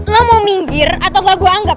lo mau minggir atau gak gue anggap